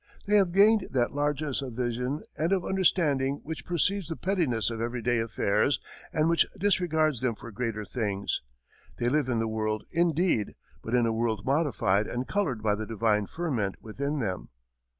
They have gained that largeness of vision and of understanding which perceives the pettiness of everyday affairs and which disregards them for greater things. They live in the world, indeed, but in a world modified and colored by the divine ferment within them.